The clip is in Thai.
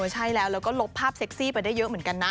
ใช่แล้วแล้วก็ลบภาพเซ็กซี่ไปได้เยอะเหมือนกันนะ